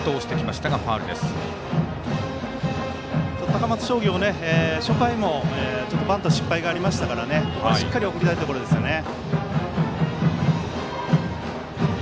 高松商業、初回もバント失敗がありましたからしっかり送りたいところですね。